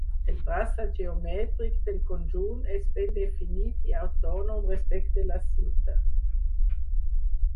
El traçat geomètric del conjunt és ben definit i autònom respecte la ciutat.